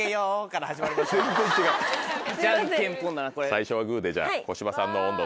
最初はグでじゃあ小芝さんの音頭で。